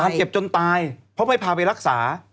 เจ็บจนตายเพราะไม่พาไปรักษา